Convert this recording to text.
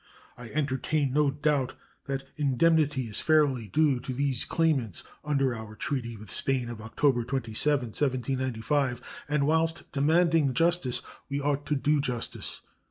I entertain no doubt that indemnity is fairly due to these claimants under our treaty with Spain of October 27, 1795; and whilst demanding justice we ought to do justice.